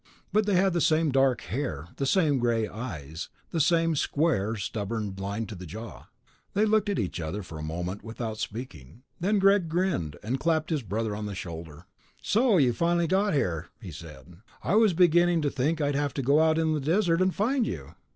But they had the same dark hair, the same gray eyes, the same square, stubborn line to the jaw. They looked at each other for a moment without speaking. Then Greg grinned and clapped his brother on the shoulder. "So you got here, finally," he said. "I was beginning to think I'd have to go out on the desert and find you."